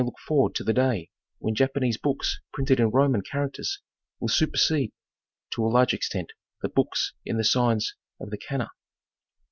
look forward to the day when Japanese books printed im Roman characters will supersede, to a large extent, the books in the signs of the ' Kanda.